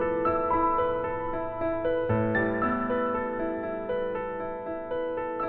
makasih ya udah mau jemput